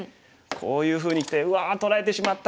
こういうふうにきて「うわ取られてしまった！」